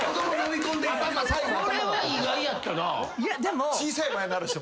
いやでも。